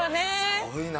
すごいな。